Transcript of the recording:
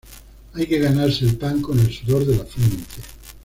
Hay que ganarse el pan con el sudor de la frente